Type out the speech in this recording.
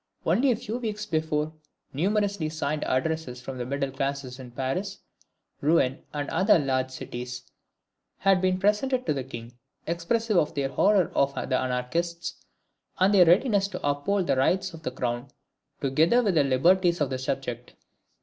Only a few weeks before, numerously signed addresses from the middle classes in Paris, Rouen, and other large cities, had been presented to the king, expressive of their horror of the anarchists, and their readiness to uphold the rights of the crown, together with the liberties of the subject.